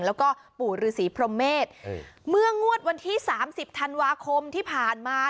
แล้วก็ปู่ฤษีพรหมเมษเมื่องวดวันที่สามสิบธันวาคมที่ผ่านมา